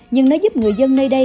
nhưng nó giúp người dân nơi đây